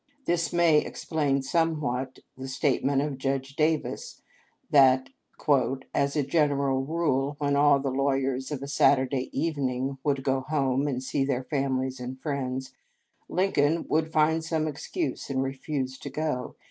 * This may explain somewhat the statement of Judge Davis that, " as a general rule, when all the lawyers of a Saturday evening would go home and see their families and friends, Lincoln would find some excuse and refuse to go.